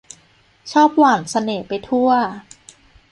ชอบหว่านเสน่ห์ไปทั่ว